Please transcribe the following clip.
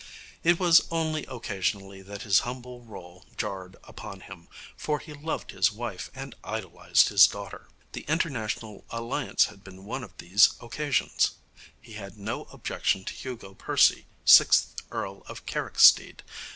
It was only occasionally that his humble role jarred upon him, for he loved his wife and idolized his daughter. The international alliance had been one of these occasions. He had no objection to Hugo Percy, sixth Earl of Carricksteed.